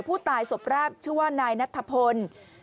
ผู้ตายสบแรกชื่อว่านายนัทธพล